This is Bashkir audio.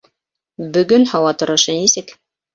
Бөгөн һауа торошо нисек?